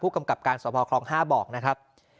กำกับการสภคลอง๕บอกนะครับ